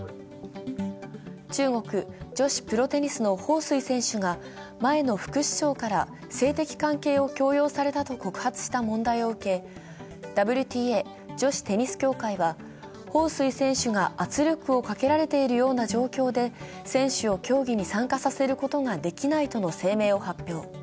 中国・女子プロテニスの彭帥選手が前の副首相から性的関係を強要されたと告発した問題を受け、ＷＴＡ＝女子テニス協会は、彭帥選手が圧力をかけられているような状況で選手を競技に参加させることができないとの声明を発表。